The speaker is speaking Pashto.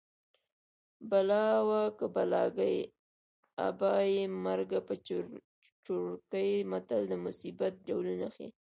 بلا وه که بلاګۍ ابا یې مړکه په چوړکۍ متل د مصیبت ډولونه ښيي